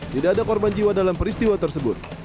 tidak ada korban jiwa dalam peristiwa tersebut